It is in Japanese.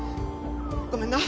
ごめんな